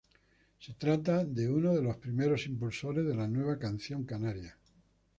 Se trata de uno de los primeros impulsores de la Nueva Canción Canaria.